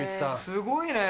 すごいね。